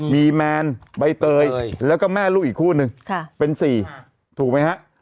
มีแมนใบเตยแล้วก็แม่ลูกอีกคู่นึงเป็น๔ถูกไหมฮะ